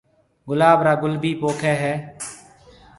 گُلاب را گُل ڀِي پوکيَ هيَ۔